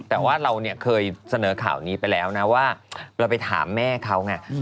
แต่ว่าเราเนี่ยเคยเสนอข่าวนี้ไปแล้วนะว่าเราไปถามแม่เขาไง